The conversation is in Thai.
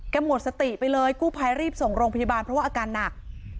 หมดสติไปเลยกู้ภัยรีบส่งโรงพยาบาลเพราะว่าอาการหนัก